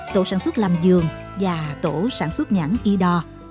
tổ sản xuất làm giường và tổ sản xuất nhãn y đo